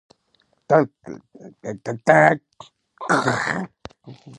De manera que, en llugar de llimitase a escuchar, pidíen-y activamente determinades canciones.